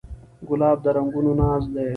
ګلاب د رنګونو ناز دی.